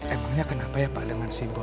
emangnya kenapa ya pak dengan si boy